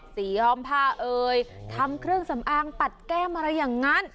ย้อมผ้าเอ่ยทำเครื่องสำอางปัดแก้มอะไรอย่างนั้น